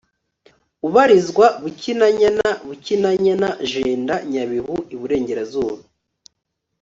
ubarizwa BukinanyanaBukinanyana Jenda NyabihuIburengerazuba